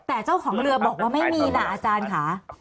แต่เจ้าของเรือบอกว่าไม่มีนะอาจารย์ค่ะ